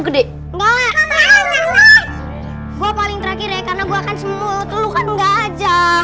gede mendingan sekarang kita berkencan aja